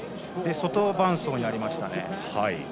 外伴走になりましたね。